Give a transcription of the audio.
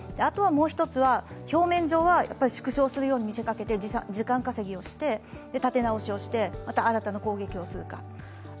もう一つは表面上は縮小するよう見せかけて時間稼ぎをして立て直しをしてまた新たな攻撃をすると。